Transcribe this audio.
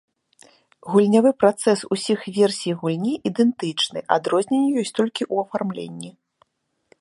Гульнявы працэс усіх версій гульні ідэнтычны, адрозненні ёсць толькі ў афармленні.